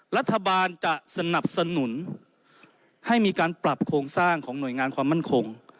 รัฐบาลจะสนับสนุนให้มีการปรับโครงสร้างของหน่วยงานความมั่นคง